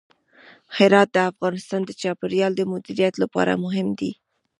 هرات د افغانستان د چاپیریال د مدیریت لپاره مهم دي.